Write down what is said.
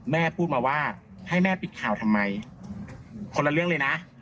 แม่พูดมาว่าให้แม่ปิดข่าวทำไมคนละเรื่องเลยนะ